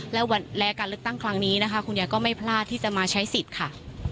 และการเลือกตั้งครั้งนี้นะคะคุณยายก็ไม่พลาดที่จะมาใช้สิทธิ์ค่ะ